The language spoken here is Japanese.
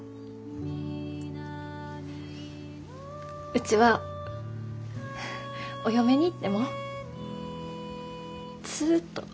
うちはお嫁に行ってもずっとお父